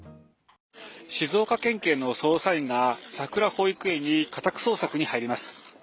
静岡県警の捜査員がさくら保育園に家宅捜索に入ります。